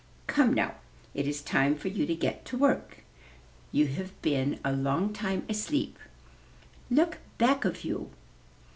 Come, now, it is time for you to get to work; you have been a long time asleep. Look back of you.'